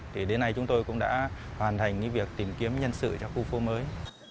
thì đến nay chúng tôi cũng đã hoàn thành việc tìm kiếm nhân sự cho khu phố mới